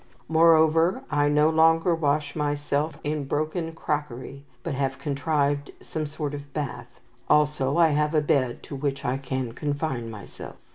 "Moreover, I no longer wash myself in broken crockery, but have contrived some sort of bath; also I have a bed to which I can confine myself."